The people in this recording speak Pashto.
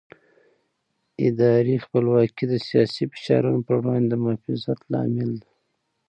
اداري خپلواکي د سیاسي فشارونو پر وړاندې د محافظت لامل ده